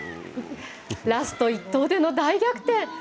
ラスト１投での大逆転。